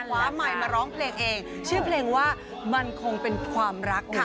ไมค์มาร้องเพลงเองชื่อเพลงว่ามันคงเป็นความรักค่ะ